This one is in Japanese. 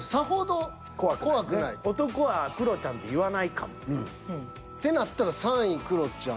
男はクロちゃんって言わないかも。ってなったら３位クロちゃん。